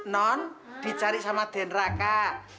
non dicari sama denra kak